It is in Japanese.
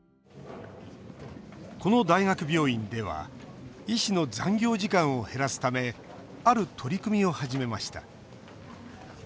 この大学病院では医師の残業時間を減らすためある取り組みを始めました